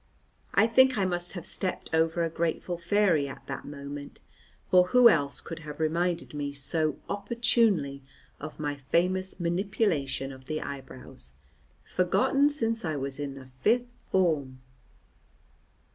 I think I must have stepped over a grateful fairy at that moment, for who else could have reminded me so opportunely of my famous manipulation of the eyebrows, forgotten since I was in the fifth form?